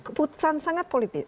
keputusan sangat politik